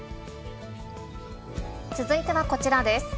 続いてはこちらです。